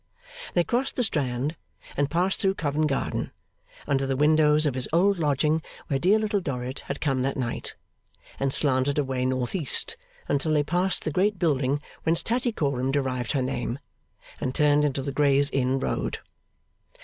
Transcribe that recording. They crossed the Strand, and passed through Covent Garden (under the windows of his old lodging where dear Little Dorrit had come that night), and slanted away north east, until they passed the great building whence Tattycoram derived her name, and turned into the Gray's Inn Road.